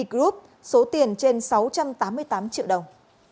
công ty b group số tiền trên sáu trăm tám mươi tám triệu đồng